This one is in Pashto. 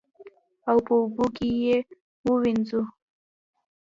او په اوبو کې یې ووینځو.